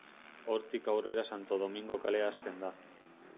Hortik aurrera Santo Domingo kalea hasten da.